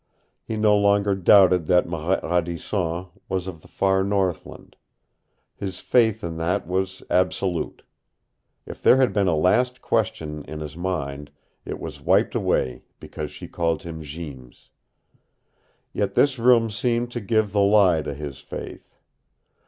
He no longer doubted that Marette Radisson was of the far Northland. His faith in that was absolute. If there had been a last question in his mind, it was wiped away because she called him Jeems. Yet this room seemed to give the lie to his faith.